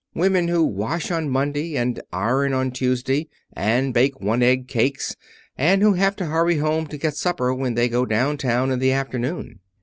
Women who wash on Monday, and iron on Tuesday, and bake one egg cakes, and who have to hurry home to get supper when they go down town in the afternoon.